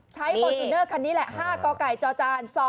ใช้โปรตูนเนอร์คันนี้แหละ๕กกจจ๒๒๐๔